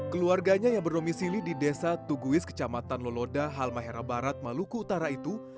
keluarganya yang berdomisili di desa tuguis kecamatan loloda halmahera barat maluku utara itu